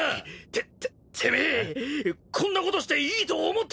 てててめえこんなことしていいと思ってんのか！？